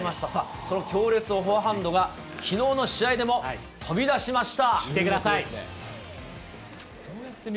その強烈なフォアハンドがきのうの試合でも飛び出しました。